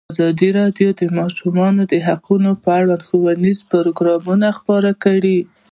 ازادي راډیو د د ماشومانو حقونه په اړه ښوونیز پروګرامونه خپاره کړي.